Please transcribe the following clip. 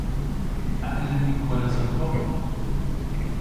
A yllyn ni gweles an golow?